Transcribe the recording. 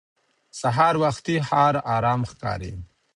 سهار وختي ښار ارام ښکاري